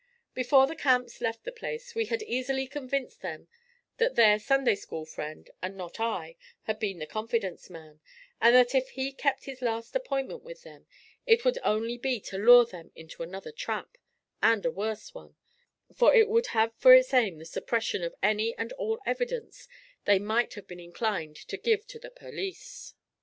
Before the Camps left the place we had easily convinced them that their 'Sunday school friend' and not I, had been the 'confidence man,' and that if he kept this last appointment with them it would only be to lure them into another trap, and a worse one, for it would have for its aim the suppression of any and all evidence they might have been inclined to give to the 'perleece.'